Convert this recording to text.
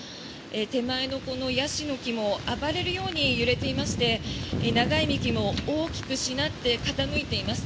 手前のヤシの木も暴れるように揺れていまして長い幹も大きくしなって傾いています。